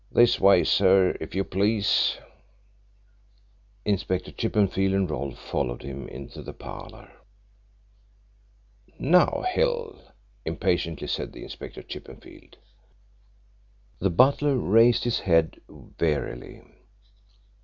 "This way, sir, if you please." Inspector Chippenfield and Rolfe followed him into the parlour. "Now, Hill," impatiently said Inspector Chippenfield. The butler raised his head wearily.